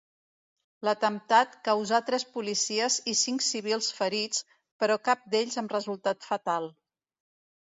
L'atemptat causà tres policies i cinc civils ferits però cap d'ells amb resultat fatal.